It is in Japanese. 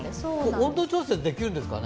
温度調節できるんですかね？